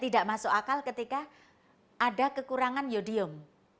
tidak masuk akal ketika ada kekurangan yodium